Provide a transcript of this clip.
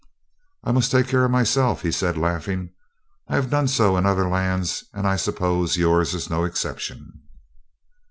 'I must take care of myself,' he said, laughing. 'I have done so in other lands, and I suppose yours is no exception.'